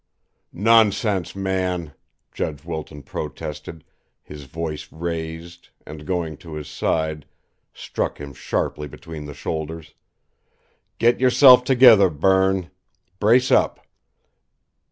"Nonsense, man!" Judge Wilton protested, his voice raised, and, going to his side, struck him sharply between the shoulders. "Get yourself together, Berne! Brace up!"